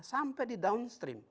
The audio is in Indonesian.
sampai di downstream